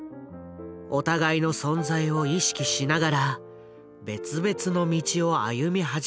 お互いの存在を意識しながら別々の道を歩み始めた二人。